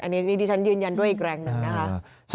อันนี้ที่ฉันยืนยันด้วยอีกแรงหนึ่งนะคะ